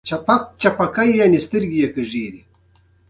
ازادي راډیو د اقلیم په اړه د مسؤلینو نظرونه اخیستي.